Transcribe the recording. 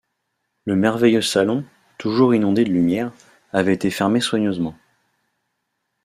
Le merveilleux salon, toujours inondé de lumière, avait été fermé soigneusement